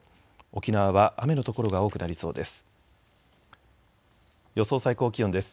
沖縄は雨の所が多くなりそうです。